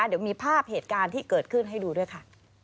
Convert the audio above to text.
เดี๋ยวมีภาพเหตุการณ์ที่เกิดขึ้นให้ดูด้วยค่ะ